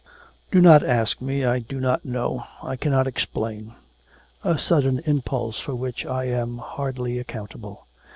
'Do not ask me, I do not know. I cannot explain a sudden impulse for which I am hardly accountable.